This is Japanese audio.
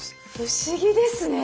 不思議ですね。